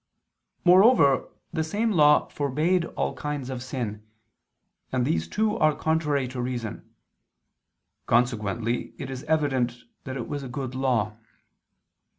Moreover the same law forbade all kinds of sin; and these too are contrary to reason. Consequently it is evident that it was a good law.